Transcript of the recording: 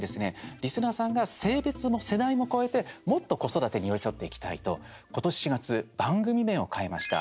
リスナーさんが性別も世代も超えて、もっと子育てに寄り添っていきたいと今年４月、番組名を変えました。